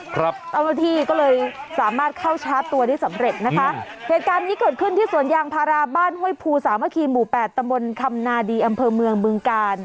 เจ้าหน้าที่ก็เลยสามารถเข้าชาร์จตัวได้สำเร็จนะคะเหตุการณ์นี้เกิดขึ้นที่สวนยางพาราบ้านห้วยภูสามะคีหมู่แปดตะมนต์คำนาดีอำเภอเมืองบึงกาล